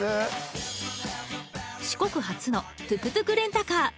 四国初のトゥクトゥクレンタカー